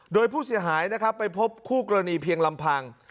โดยผู้เสียหายนะครับไปพบคู่กรณีเพียงลำพัง